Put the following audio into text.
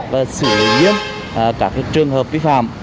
và xử lý nghiêm các trường hợp vi phạm